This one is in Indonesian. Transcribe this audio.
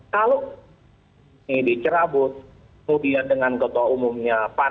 kalau ini dicerabut kemudian dengan ketua umumnya pan